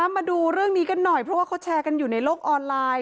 มาดูเรื่องนี้กันหน่อยเพราะว่าเขาแชร์กันอยู่ในโลกออนไลน์